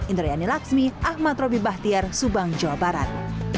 indrayani laksmi ahmad roby bahtiar subang jawa barat